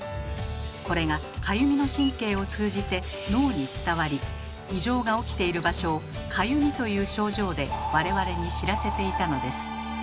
これがかゆみの神経を通じて脳に伝わり異常が起きている場所を「かゆみ」という症状で我々に知らせていたのです。